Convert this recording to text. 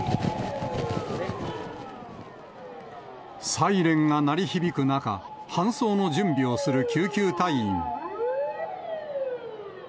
サイレンが鳴り響く中、搬送の準備をする救急隊員。